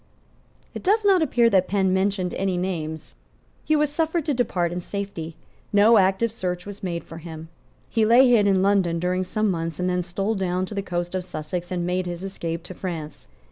It does not appear that Penn mentioned any names. He was suffered to depart in safety. No active search was made for him. He lay hid in London during some months, and then stole down to the coast of Sussex and made his escape to France.